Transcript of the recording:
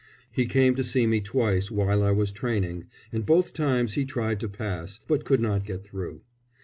He came to see me twice while I was training, and both times he tried to pass; but could not get through.